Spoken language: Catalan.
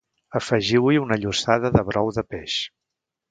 afegiu-hi una llossada de brou de peix